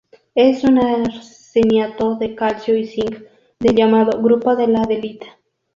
Es un arseniato de calcio y cinc, del llamado "grupo de la adelita".